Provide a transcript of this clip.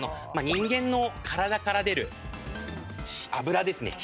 人間の体から出る脂ですね。